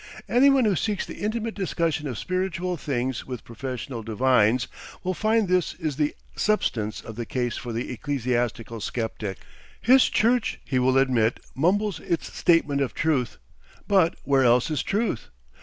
Anyone who seeks the intimate discussion of spiritual things with professional divines, will find this is the substance of the case for the ecclesiastical sceptic. His church, he will admit, mumbles its statement of truth, but where else is truth?